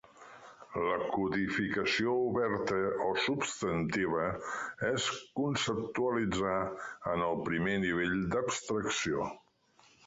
La codificació oberta o substantiva és conceptualitzar en el primer nivell d'abstracció.